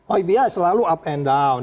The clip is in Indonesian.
oh iya selalu up and down